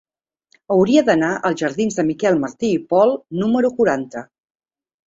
Hauria d'anar als jardins de Miquel Martí i Pol número quaranta.